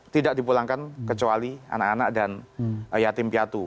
tidak dipulangkan kecuali anak anak dan yatim piatu